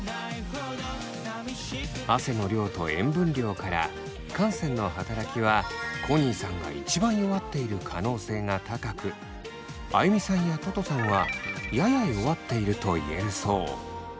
汗の量と塩分量から汗腺の働きはコニーさんがいちばん弱っている可能性が高くあゆみさんやととさんはやや弱っていると言えるそう。